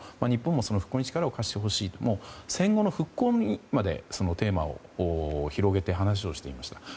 日本もその復興に力を貸してほしいと戦後の復興にまでテーマを広げて話をしていました。